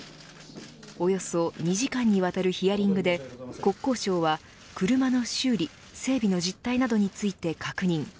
およそ２時間にわたるヒアリングで国交省は車の修理整備の実態などについて確認。